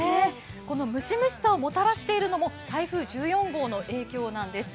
このむしむしさをもたらしているのも台風１４号の影響なんです。